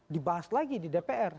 dibahas lagi di dpr